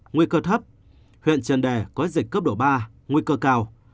nguy cơ thấp huyện trần đề có dịch cấp độ ba nguy cơ cao